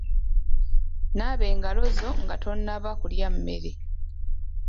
Naaba engalo zo nga tonnaba kulya mmere.